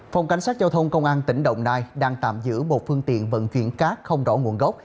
phòng cảnh sát giao thông công an tỉnh đồng nai đang tạm giữ một phương tiện vận chuyển cát không rõ nguồn gốc